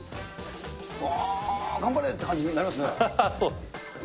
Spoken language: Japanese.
うわー、頑張れって感じになりまそう。